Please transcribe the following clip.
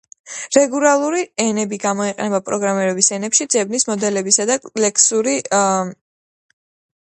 რეგულარული ენები გამოიყენება პროგრამირების ენებში ძებნის მოდელებისა და ლექსიკური სტრუქტურების აღსაწერად.